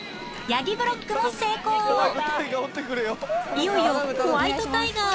いよいよホワイトタイガー